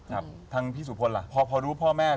ครับทางพี่สุพลล่ะพอดูพ่อแม่